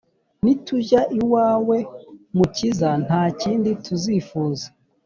Nitujya iwawe mukiza ntakindi tuzifuza